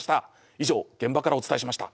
以上現場からお伝えしました。